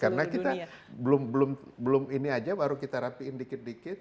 karena kita belum ini aja baru kita rapiin dikit dikit